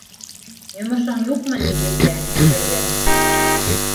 Йомошоң юҡмы ни миндә бер ҙә?